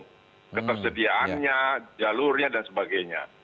ketersediaannya jalurnya dan sebagainya